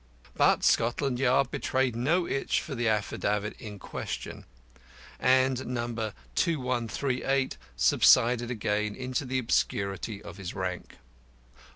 But Scotland Yard betrayed no itch for the affidavit in question, and No. 2138 subsided again into the obscurity of his rank.